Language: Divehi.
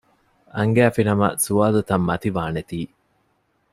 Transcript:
އަންގައިފި ނަމަ ސުވާލުތައް މަތިވާނޭތީ